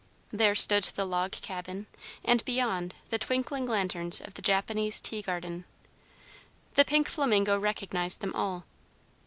There stood the "Log Cabin," and beyond, the twinkling lanterns of the Japanese Tea Garden. The pink flamingo recognized them all.